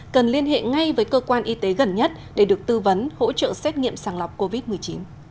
cần liên hệ ngay với cơ quan y tế gần nhất để được tư vấn hỗ trợ xét nghiệm sàng lọc covid một mươi chín